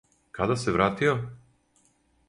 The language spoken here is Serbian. Када се вратио?